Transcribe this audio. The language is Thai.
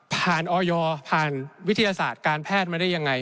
ออยผ่านวิทยาศาสตร์การแพทย์มาได้ยังไง